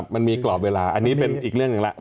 มันมีกรอบเวลาอันนี้เป็นอีกเรื่องหนึ่งแล้ว